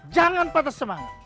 jangan patah semangat